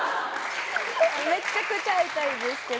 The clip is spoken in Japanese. めちゃくちゃ会いたいですけど。